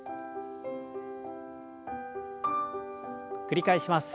繰り返します。